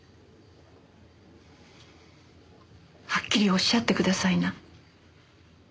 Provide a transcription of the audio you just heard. はっきりおっしゃってくださいな。